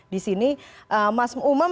di sini mas umam